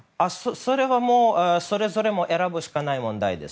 それはもう、それぞれ選ぶしかない問題です。